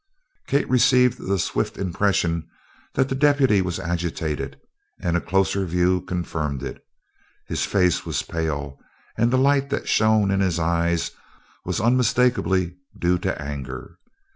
Kate received the swift impression that the deputy was agitated, and a closer view confirmed it. His face was pale, and the light that shone in his eyes was unmistakably due to anger.